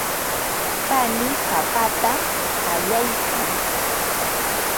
panii papata allaykan.